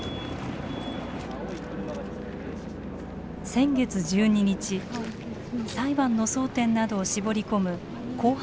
先月１２日裁判の争点などを絞り込む公判